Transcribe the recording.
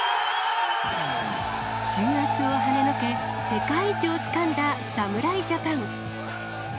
重圧をはねのけ、世界一をつかんだ侍ジャパン。